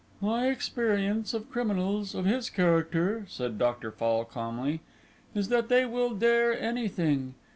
"My experience of criminals of this character," said Dr. Fall calmly, "is that they will dare anything.